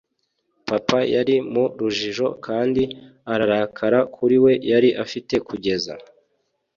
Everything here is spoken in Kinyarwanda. papa yari mu rujijo kandi ararakara kuri we. yari afite kugeza